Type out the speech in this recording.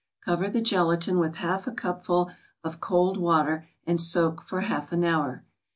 Cover the gelatin with a half cupful of cold water and soak for a half hour.